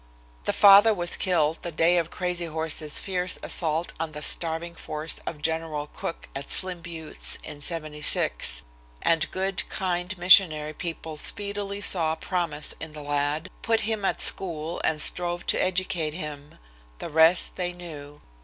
The father was killed the day of Crazy Horse's fierce assault on the starving force of General Crook at Slim Buttes in '76, and good, kind missionary people speedily saw promise in the lad, put him at school and strove to educate him. The rest they knew.